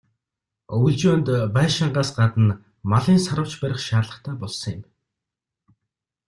Өвөлжөөнд байшингаас гадна малын "саравч" барих шаардлагатай болсон юм.